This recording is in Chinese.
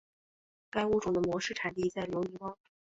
该物种的模式产地在留尼汪。